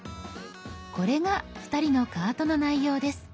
これが２人のカートの内容です。